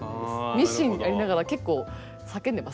ミシンやりながら結構叫んでます。